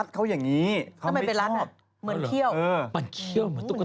ทำไมไปรัดอ่ะเหมือนเที่ยว